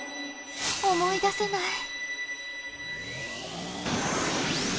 思い出せない。